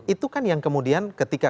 itu kan yang kemudian ketika